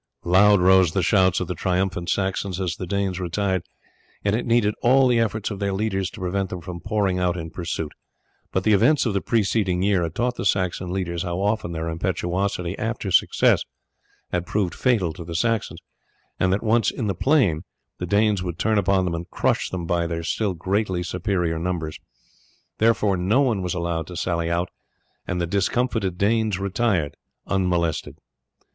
Loud rose the shouts of the triumphant Saxons as the Danes retired, and it needed all the efforts of their leaders to prevent them from pouring out in pursuit; but the events of the preceding year had taught the Saxon leaders how often their impetuosity after success had proved fatal to the Saxons, and that once in the plain the Danes would turn upon them and crush them by their still greatly superior numbers. Therefore no one was allowed to sally out, and the discomfited Danes retired unmolested.